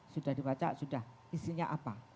sudah dibaca sudah isinya apa